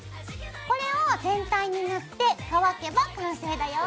これを全体に塗って乾けば完成だよ。